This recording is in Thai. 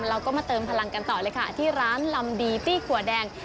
เราก็มาเติมพลังกันต่อเลยค่ะที่ร้านลำดีตี้ขัวแดง